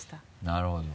なるほど。